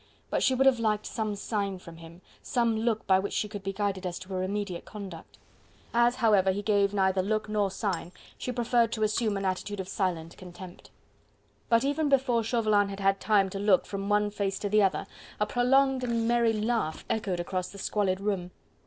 But she would have liked some sign from him, some look by which she could be guided as to her immediate conduct: as, however, he gave neither look nor sign, she preferred to assume an attitude of silent contempt. But even before Chauvelin had had time to look from one face to the other, a prolonged and merry laugh echoed across the squalid room.